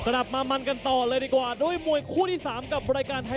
มุยทายไฟเตอร์สวัสดีค่ะมุยทายไฟเตอร์สวัสดีครับ